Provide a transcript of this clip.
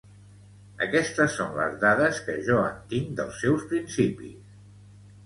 Aquestes son les dades que jo en tinc dels seus principis.